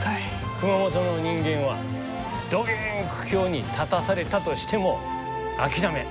熊本の人間はどげん苦境に立たされたとしても諦めん。